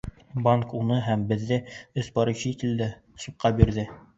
Банк уны һәм беҙҙе — өс поручителде — судҡа бирҙе.